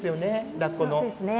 ラッコの。